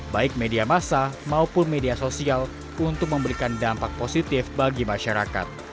baik media massa maupun media sosial untuk memberikan dampak positif bagi masyarakat